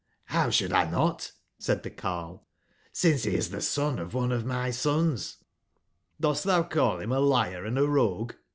*''' How should I not?" said tbc carle, since be is tbe son of one of my sons/' Dost tbou call bim a liar and a rogue?"